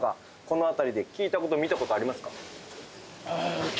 この辺りで聞いたこと見たことありますか？